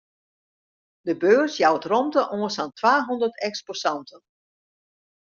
De beurs jout rûmte oan sa'n twahûndert eksposanten.